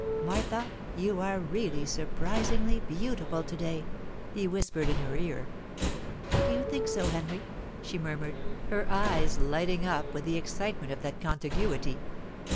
"Martha, you are really surprisingly beautiful to day," he whispered in her ear. "Do you think so, Henry?" she murmured, her eyes lighting up with the excitement of that contiguity.